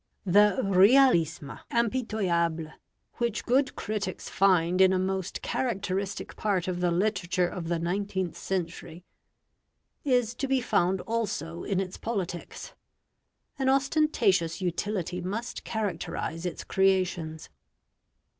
The realisme impitoyable which good critics find in a most characteristic part of the literature of the nineteenth century, is to be found also in its politics. An ostentatious utility must characterise its creations.